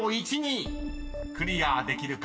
［クリアできるか？